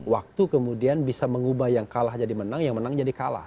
waktu kemudian bisa mengubah yang kalah jadi menang yang menang jadi kalah